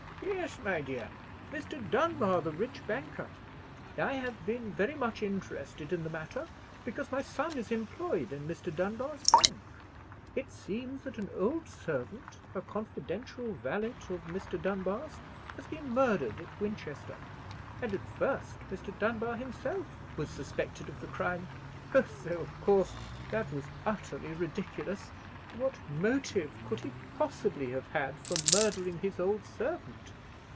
"Yes, my dear, Mr. Dunbar, the rich banker. I have been very much interested in the matter, because my son is employed in Mr. Dunbar's bank. It seems that an old servant, a confidential valet of Mr. Dunbar's, has been murdered at Winchester; and at first Mr. Dunbar himself was suspected of the crime,—though, of course, that was utterly ridiculous; for what motive could he possibly have had for murdering his old servant?